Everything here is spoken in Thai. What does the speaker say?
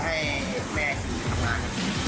ทำให้แม่พี่ทำงาน